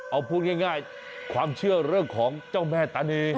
เอาพูดง่ายความเชื่อเรื่องของเจ้าแม่ตานี